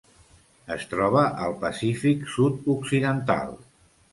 Es troba al Pacífic sud-occidental: